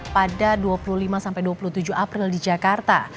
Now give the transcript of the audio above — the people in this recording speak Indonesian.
pada dua puluh lima sampai dua puluh tujuh april di jakarta